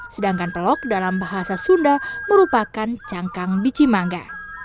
sedangkan pelok dalam bahasa sunda merupakan cangkang biji mangga